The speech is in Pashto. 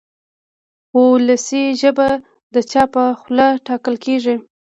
وولسي ژبه د چا په خوله ټاکل کېږي.